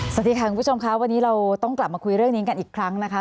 สวัสดีค่ะคุณผู้ชมค่ะวันนี้เราต้องกลับมาคุยเรื่องนี้กันอีกครั้งนะคะ